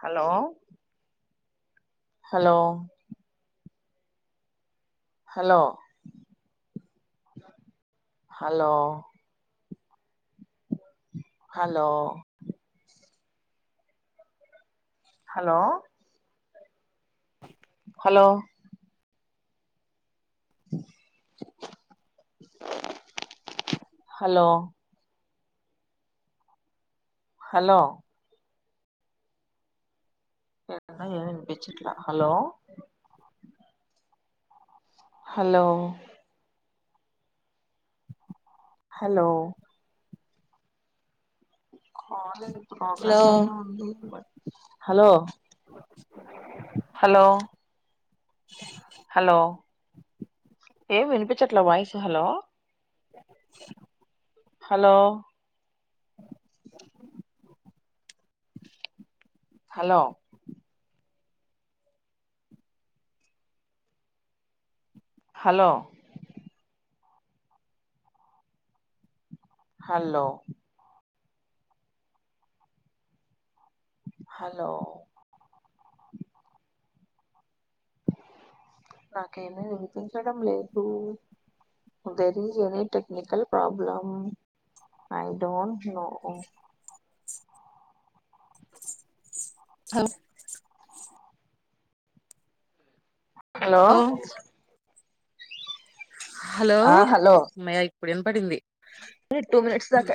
Hello, hello hello, hello, hello hello, hello hello hello ఏంటో ఎమ్ ఈనిపించట్లే hello hello hello hello [inaudible] hello hello hello ఏం వినిపించట్లే voice hello, [inaudible] hello, hello, hello, hello, hello, నాకేమి వినిపించడం లేదు. There is any technical problem I don't know, hello hello, hello ఆ అమ్మయా ఇప్పుడు ఇనపడింది టు మినిట్స్ దాకా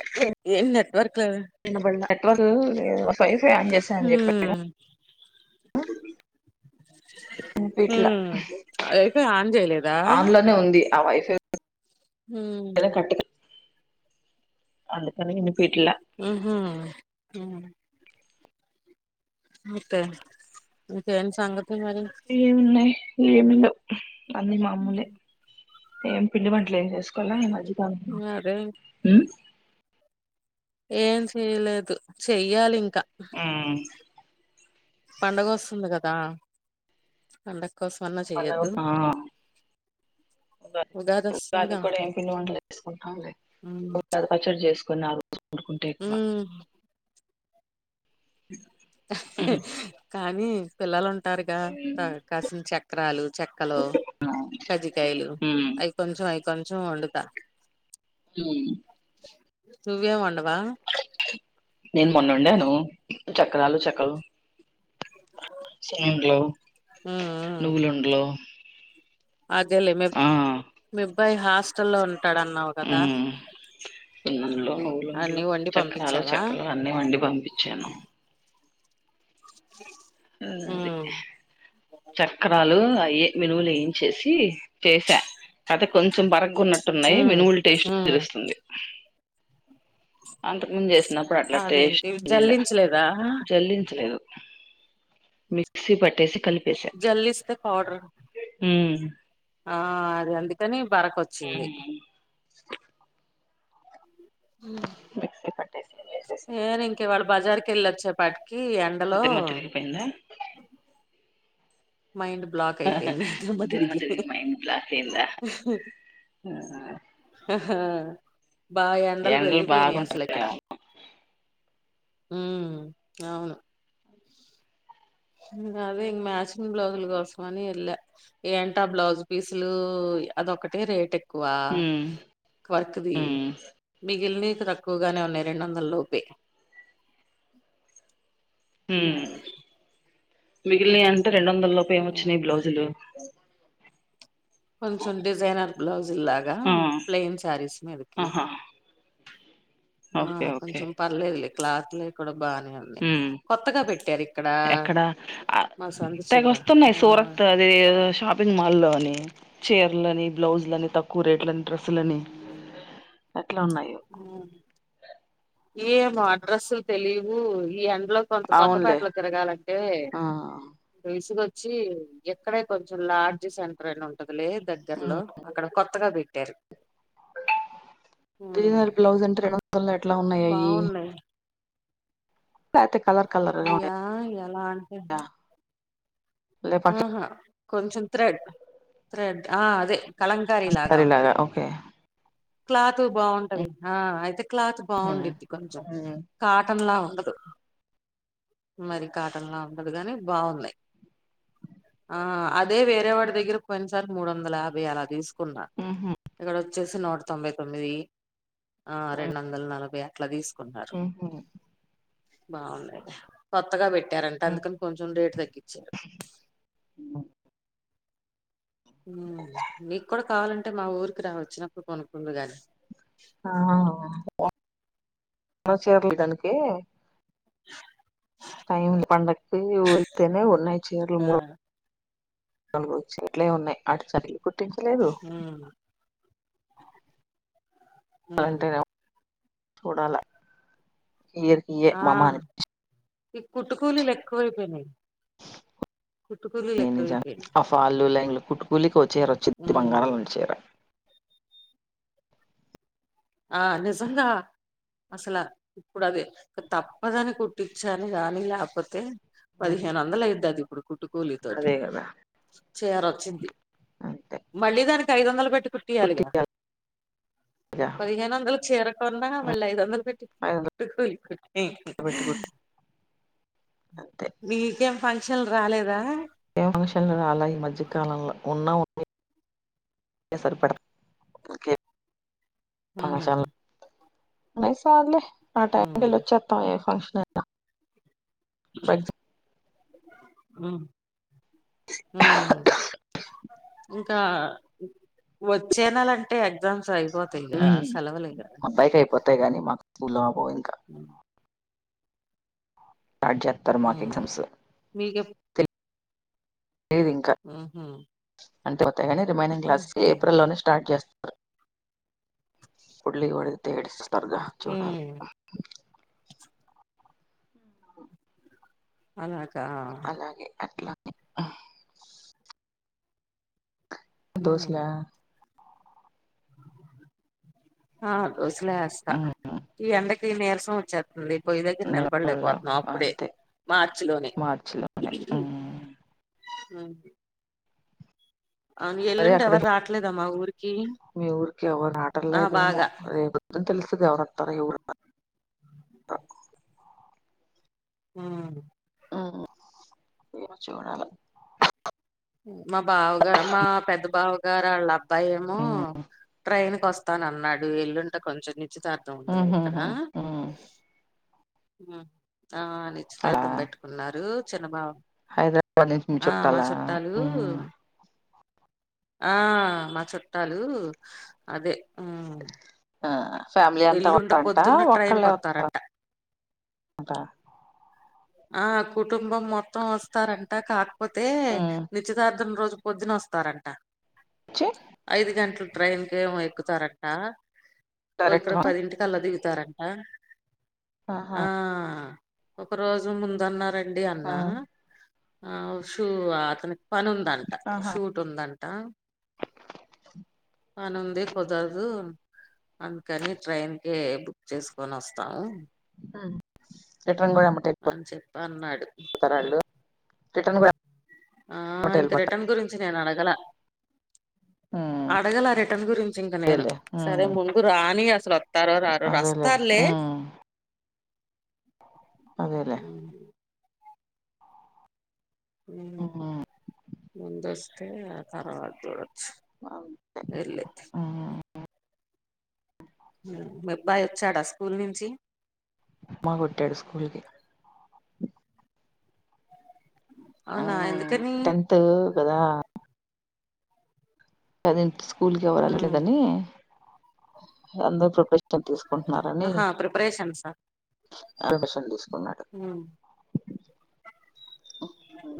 ఏం నెట్వర్క్ లేదు విన్నబడలే నెట్వర్క్ లే వైఫై యాన్ చేసా అని జెప్పాగా హ్మ్ వినిపీయట్లే హ్మ్ అయితే ఆన్ చేయలేదా ఆన్లోనే ఉంది ఆ వైఫై ఉమ్ కట్ అందుకని యినిపీయట్లే హు హూ అంతే ఇంకేమ్ సంగతులు ఏమున్నాయి ఏమి లేవ్ అన్ని మామూలే ఏం పిండి వంటలు ఏం జేసుకోలే ఈ మధ్యకాలంలో అదే ఏం చేయలేదు చేయ్యాలి ఇంకా ఉమ్ పండగ వస్తుంది గదా పండగ కోసం అన్నా చెయ్యొద్దు ఆ ఉగాది ఉగాది కూడా ఏం పిండి వంటలు చేసుకుంటాం లే హ్మ్ ఉగాది పచ్చడి చేసుకు కొన్ని ఆ రోజు వండుకుంటే ఎక్కువ హ్మ్ కానీ పిల్లలు ఉంటా ఉంటారుగా కాసిన్ని చక్రాలు చెక్కలు కజ్జకాయలు ఉమ్ అవి కొంచెం అవి కొంచెం వండుతా ఉమ్ నువ్వె వండావ్ నేను మొన్నండాను చక్రాలు చెక్కలు సున్నుండలు నువ్వులుండలు అదేలే మీ ఆ మీ అబ్బాయి హాస్టల్లో ఉంటాడు అన్నావు గదా సున్నుండలు నువ్వులుండలు చక్రాలు పంపించావా చెక్కలు అన్నీ వండి పంపిచాను [inaudible] ఉమ్ అది చక్రాలు ఏ మినువులు ఏం చేసి చేసా అదే కొంచెం బరగ్గ ఉన్నట్టున్నాయి ఉమ్ మినువుల టేస్ట్ ఉమ్ తెలుస్తుంది అంతకుముందు జేసినప్పుడు అట్లా టేస్ట్ అదేంటి లేలా జల్లించలేదా జల్లించలేదు మిక్సీ పట్టేసి కలిపి జల్లిస్తే పౌడర్ ఉమ్ ఆ అదే అందుకని బరకొచ్చింది ఉమ్, మిక్సీ పట్టేసి వేసేసా ఏ ఇంక ఇవ్వాళ బజార్ కెళ్ళి వచ్చ పాటి కి ఎండలో దిమ్మ తిరిగిపోయిందా మైండ్ బ్లాక్ అయిపోయింది దిమ్మి దిమ్మ దిరిగి తిరిగి ఆ ఆ బా ఎండలు పెరిగిపోయినా అసలు ఇక్కడ బాగుంటున్నాయి ఉ అవును అదే ఇం మ్యాచింగ్ బ్లౌజుల కోసం అని వెళ్ళ ఏంట బ్లౌజ్ పీసులు అద ఒకటే రేట్ ఎక్కువ ఉమ్ వర్క్ది ఉమ్ మిగిలి తక్కువగానే ఉన్నాయి రెం వందల లోపే మిగిలిని అంటే రెండు వందల లోప ఏమిొచ్చినాయి బ్లౌజులు కొంచెం డిజైనర్ బ్లౌజ్ ఇల్లాగా ఆ ప్లెయిన్ శారీస్ మీదకి ఆహా ఆ ఓకే ఓకే కొంచెం పర్లేదు క్లాత్ లే కూడా బాగానే ఉంది ఉమ్ ఎక్కడ మా సందు తెగ చివర వస్తున్నాయి ఆ సూరత్ అది షాపింగ్ మాని చైర్లని బ్లౌజ్లని తక్కువ రేట్లని డ్రెస్సులని అట్లా ఉన్నాయో ఏంో అడ్రస్సు తెలీవు ఈ అ ఇంట్లో కొంత కొత్త అవునులే పేటలో ఆ తిరగాలంటేసుగ వచ్చి ఎక్కడే కొంచెం లార్డ్జ్ సెంటర్ అయినా ఉంటదిలే దగ్గర్లో ఉమ్. అక్కడ కొత్తగా ది క్కర్ డిజర్ బ్లౌజ్ అంట రెండలు ఎట్లా ఉన్నాయయి బాగున్నాయి పత అయ్యా అయ్యలా అంటంట ఉన్నాయా లే పట్టు ఆహా కొంచెం తథ్రెడ్ థ్రెడ్ ఆ అదే కలంకారీ లాగా సారీ ఉంటేది ఓకే క్లాత్ బాగుంటది ఆ అయితే క్లాత్ బాగుండేది కొంచెం కాటన్ లోలా ఉ మరి కాటన్లా ఉంటదు కాగానీ బాగున్నాయి ఆ అదే వేరేవాడి దగ్గర కొన్నిసార్లు మూడు వందల యాభై అలా తీసుకు న్నా ఉహు ఇక్కడ వచ్చేసి నూట తొంభై తొమ్మిది ఆ రెండు వందల నలభై ఆహ బాగుండడి కొత్తగా పెట్టారంటే అందుకని కొంచెం రేటు తగ్గించారు అ నీకు కూడా కావాలంటే మా ఊరికి రా వచ్చినప్పుడు కొనుకులు కానీ ఆస దాననికి టైం పండకు వెతేను ఉన్నాయ చేరల్ ఆ ముర నలుగు చెట్లే ఉన్నాయి అటు చర్లు గుట్తించలేదు ఉమ్, ఉమ్. అంటేనే చూడాల ఇరికియ ఆ, మామాని ఈ కుట్టుకూలులు ఎక్కువైపోయినాయి కుట్టుకూలులు ఎక్కువైపోయినాయి కూలికి వ చేయరా వచ్చి బంగాళా ఉమ్, నుంచి చేర ఆ నిజంగా అసలు ఇప్పుడు అది తప్పదని కుట్టించా అని కానీ లేకపోతే పదిహేను వందల అవుద్దది ఇప్పుడు కుట్టుకూలి అదే తోటికి కదా చేయరు వచ్చింది అంతే మళ్ళీ దానికి ఐదు వందలు పెట్ కుట్టటియాలిగా కుట్టిగా పదిహేను వందలు చేరకుం ఉన్నా మళ్ళీ ఐదు వందలు పెట్టి ఐదు వందలు కుట్టుకూలి కుట్టి పెట్టి కుట్టి అంతే మీకేం ఫంక్షన్లు రాలేదా ఏ ఫంక్షన్ అలా ఈ మధ్యకాలంలో ఉన్నా ఉ సరి పడక హ ైసాలే ఆ టైళ్ల్ వచ్చేస్తాం ఏ ఫంక్షన్ అయినా ప ఉ హ ఇంకా వచ్చేనాలంటే ఎగ్జామ్స్ అయి అబ్బాయికి అయిపోతాయి కాగానీ మాకు స్ూలమా పో ఇంకా ఆడ్జత్తర్ మాకు ఉమ్ ఎక్జామ్స్. హుహ్. అంటే పోతాయి అని రిమైనింగ్ క్లాసెస్కి ఏప్రిల్లోనే స్టార్ట్ చేస్తారు. ఫుల్ లీవ్ అడిగితే ఏడ్సిసస్తారుగా చూడాలి. ఉమ్ అలాగ అలాగే అట్లానే ఉమ్ దోస్లా ఆ దోసలే ఎస్తా ఈ ఎండకి నీరసం వచ్చేత్ తుంది. పోయ్యి దగ్గర వాళ్ళ నిలబడలేకపోతున్నాం అప్పుడే అంతే మార్చి లోనే. మార్చి లోనే హుహ్ అవును అదే ఎల్లుండి అక్కడ ఎవరు రాట్లేదా మా ఊరికి. మీ ఊరికి ఎవ్వరు ఆ రావటంలేదేమో బాగా రేపు పొద్దున తెలుసు స్తది ఎవరత్తారో ఎవరు అవునండి. హ్ ఏమో చూడాలా. మా బావగారు మా పెద్ద బావగారి వాళ్ళ అబ్బాయెమో ట్రైన్ కి వస్తాను అన్నాడు ఎల్లుండి కొంచెం నిశ్చితార్థం ఉంటదా ఇక్కడా ఆ అలా నిశ్చితార్థం పెట్టుకున్నారు చిన్నబావ హైదరాబాద్ నుంచి మీ చుట్టాలా రు ఆ మా చుట్టాలు అదే ఉమ్ ఆ ఫ్యామిలీ అంతా ఎల్లుండి వస్తారంట పొద్దున్న ట్రైన్ కి ఒక్కళ్ళే వత్తా వత్తారంట రంటా ఆ కుటుంబం మొత్తం వస్తారంట కాకపోతే వచ్చి నిశ్చితార్థం రోజు పొద్దున వస్తారంట ఐదు గంటలు ట్రైన్ కేమో ఎక్కుతారంట ఓ ఇక్కడ డైరెక్ట్ పదింటికి అలా దిగు తారంటా ఆహా ఆ ఒక్కరోజు ముందన్నా రం డి ఆ అన్నా ఆషు అతని పని ఉందంటా షూట్ ఉందంటా. పనుంది కుదరదు. అందుకని ట్రైన్ కే బుక్ చేసుకొని వస్తాము. రిటర్న్ కూడా ఎమ్మటే వెళ్ళిపోతారు అని చెప్పి అన్నాడు వాళ్ళు అది. రిటర్న్ కూడా ఆ ఎమ్మటే ఇంకా రిటర్న్ గురించి నేను అడగలా. హ్ అడగలా రిటర్న్ గురించి ఇంక నేను. సరే ఉమ్ ముందు రాని అసలు వత్తారో రారో అదేలే వస్తారులే ఉమ్ అదేలే ఆహా హ్ ఉమ్ ముందొస్తే ఆ తర్వాత అంతే వెళ్ళి హా మ అబ్బాయి వచ్చాడా స్కూల్ నుంచి? మ్మా కొట్టాడు స్కూల్ కి. ఆ అవునా ఎందుకని టెన్త్ కదా. అది స్కూల్ కి ఎవరు ఉమ్ ఎల్లట్లేదని అందరూ ప్రిపరేషన్ రిటర్న్ తీసుకుంటున్నారని ఆహా ప్రిపరేషన్సా ఆడు [unintelligible] తీసుకున్నాడు. ఉమ్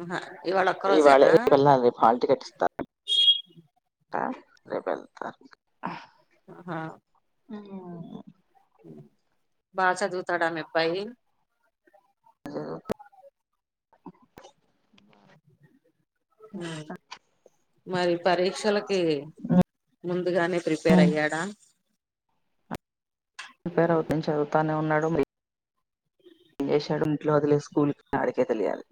ఆహా ఇవాళ ఒక్క ఇవాళ రోజేనా రేపు వెళ్ళాలె హాల్ టికెట్ ఇస్తారు. అ ఆ రేపెళ్తా. ఆహా [unintelligible] బాగా చదువుతాడా మీ అబ్బాయి తెలియదు హు మరి పరీక్షలకి ముందుగానే ప్రిపేర్ అయ్యాడా ప్రిపేర్ అవుతిని చదువుతానే ఉన్నాడు లేశాడు ఇంట్లో వదిలే స్కూల్ కి ఆడికే తెలియాలి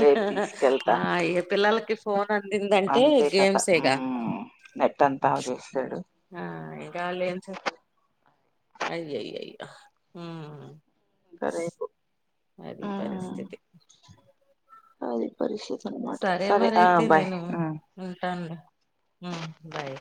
రేపు తీసుకెళ్తా ఆ ఇగ పిల్లకి ఫోన్ అందిందంటే అంతే కథ గేమ్స్ ఇగ మ్మ్ నెట్ అంతా ఆఫ్ చేస్తాడు ఆ ఇగ లే స అయ్యో అయ్యా హు సరే పో అది పరిస్థితి అది పరిస్థితి అనమాట సరే మరి ఆ అయితే బాయ్ నేను మ్మ్ ఉంటాను హు బాయ్